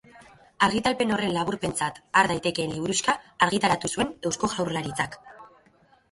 Argitalpen horren laburpentzat har daitekeen liburuxka argitaratu zuen Eusko Jaurlaritzak.